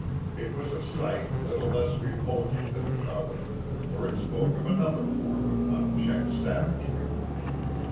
It was a sight little less revolting than the other, for it spoke of another form of unchecked savagery.